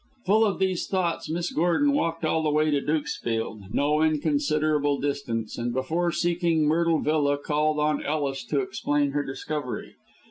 Full of these thoughts, Miss Gordon walked all the way to Dukesfield, no inconsiderable distance, and before seeking Myrtle Villa called on Ellis to explain her discovery.